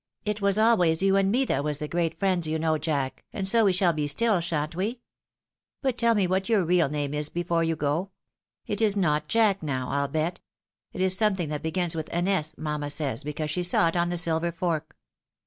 " It was always you and me that was the great friends, you know, Jack, and so we shall be still — shan't we? But tell me what your real name is be fore you go. It is not Jack, now, I'll bet — ^it is something, that begins with an S, mamma says, because she saw it on the silver fork."